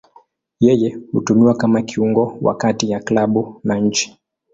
Yeye hutumiwa kama kiungo wa kati ya klabu na nchi.